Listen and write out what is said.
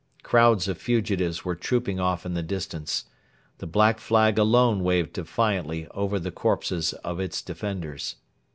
Crowds of fugitives were trooping off in the distance. The Black Flag alone waved defiantly over the corpses of its defenders.